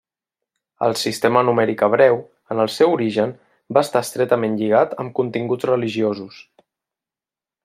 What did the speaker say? El sistema numèric hebreu, en el seu origen, va estar estretament lligat amb continguts religiosos.